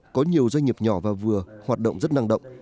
có nhiều doanh nghiệp nhỏ và vừa hoạt động rất năng động